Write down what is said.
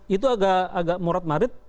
itu agak murad marid